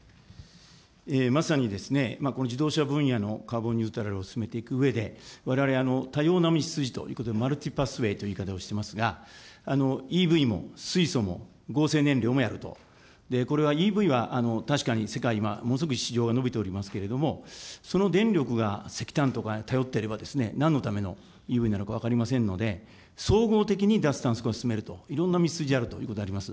まさにこの自動車分野のカーボンニュートラルを進めていくうえでわれわれ、多様な道筋ということで、マルチパスウェイという言い方をしていますが、ＥＶも水素も合成燃料もやると、これは、ＥＶは確かに世界、今、ものすごく市場が伸びておりますけれども、その電力が石炭とかに頼っていれば、なんのためのＥＶなのか分かりませんので、総合的に脱炭素化を進めると、いろんな道筋あると思います。